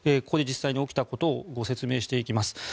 ここで実際に起きたことを説明していきます。